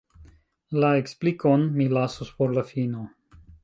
La eksplikon… mi lasos por la fino.